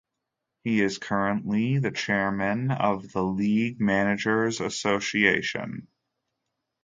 He is currently the chairman of the League Managers Association.